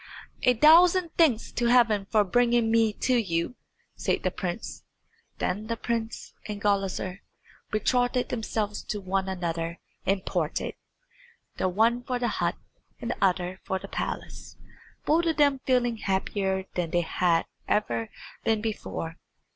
"A thousand thanks to Heaven for bringing me to you," said the prince. Then the prince and Gulizar betrothed themselves to one another and parted, the one for the hut and the other for the palace, both of them feeling happier than they had ever been before.